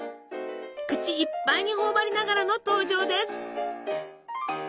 口いっぱいに頬張りながらの登場です！